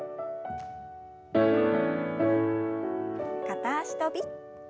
片脚跳び。